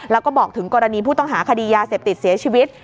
แล้วก็บอกถึงกรณีผู้ต้องหาคดียาเสพติดเสียชีวิต